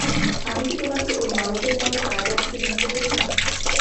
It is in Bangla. আমি কি তোমাকে ঐ নরকের মত কারাগার থেকে মুক্ত করিনি?